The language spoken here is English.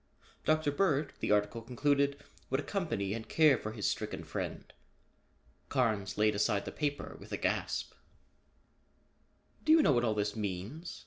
Dr. Bird, the article concluded, would accompany and care for his stricken friend. Carnes laid aside the paper with a gasp. "Do you know what all this means?"